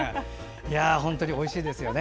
本当においしいですよね。